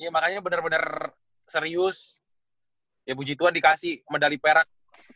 makanya benar benar serius ya puji tuhan dikasih medali perak